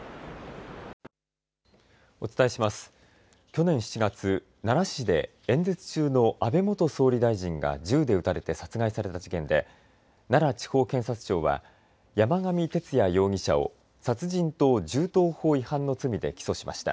去年７月、奈良市で演説中の安倍元総理大臣が銃で撃たれて殺害された事件で奈良地方検察庁は山上徹也容疑者を殺人と銃刀法違反の罪で起訴しました。